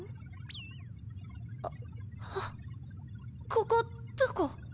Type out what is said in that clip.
ここどこ？